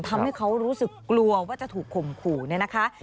ทำให้เขารู้สึกกลัวว่าจะถูกข่มขู่เนี่ยนะคะ